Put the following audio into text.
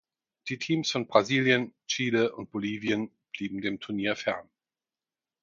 Die Teams von Brasilien, Chile und Bolivien blieben dem Turnier fern.